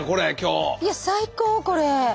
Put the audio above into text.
いや最高これ。